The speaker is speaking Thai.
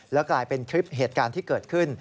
แล้วกลายเป็นคลิปเหตุการณ์ที่เกิดขึ้น